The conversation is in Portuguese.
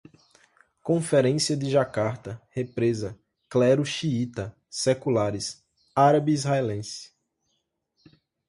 Conferência de Jacarta, represa, clero xiita, seculares, árabe-israelense